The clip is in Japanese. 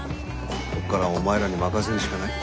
ここからはお前らに任せるしかない。